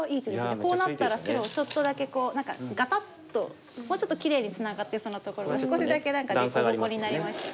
こうなったら白ちょっとだけ何かガタッともうちょっときれいにツナがってそうなところが少しだけ何か凸凹になりましたね。